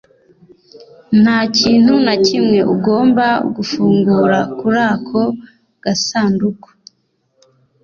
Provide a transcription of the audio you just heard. nta kintu na kimwe ugomba gufungura kurako gasanduku.